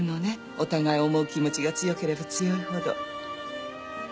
お互いを思う気持ちが強ければ強いほど。